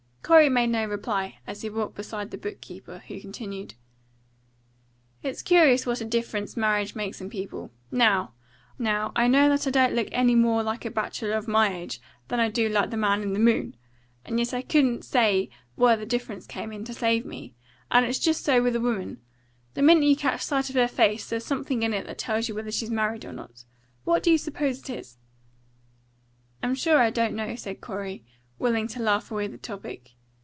Corey made no reply, as he walked beside the book keeper, who continued "It's curious what a difference marriage makes in people. Now, I know that I don't look any more like a bachelor of my age than I do like the man in the moon, and yet I couldn't say where the difference came in, to save me. And it's just so with a woman. The minute you catch sight of her face, there's something in it that tells you whether she's married or not. What do you suppose it is?" "I'm sure I don't know," said Corey, willing to laugh away the topic.